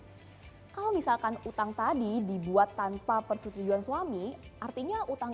nah kalau misalkan utang tadi dibuat tanpa persetujuan suami artinya utang